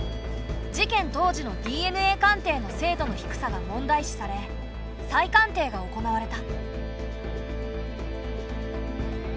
事件当時のＤＮＡ鑑定の精度の低さが問題視され再鑑定が行われた。